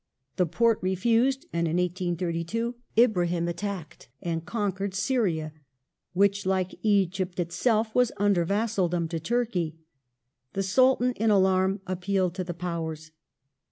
The Porte refused, and in 1832 Ibrahim attacked and conquered Syria, which, like Egypt itself, was under vassaldom to Turkey. The Sultan, in alarm, appealed to the Powers.